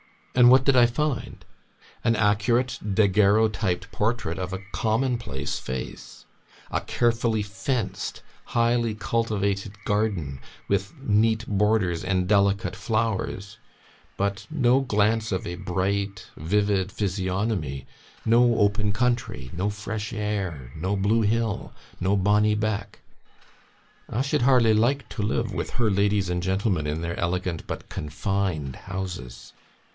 And what did I find? An accurate, daguerreotyped portrait of a commonplace face; a carefully fenced, highly cultivated garden, with neat borders and delicate flowers; but no glance of a bright, vivid physiognomy, no open country, no fresh air, no blue hill, no bonny beck. I should hardly like to live with her ladies and gentlemen, in their elegant but confined houses.